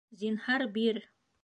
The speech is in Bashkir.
Зинһар, бир!